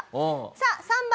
さあ３番。